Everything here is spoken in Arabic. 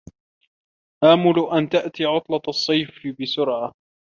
آمل أن تأتي عطلة الصيف بسرعة.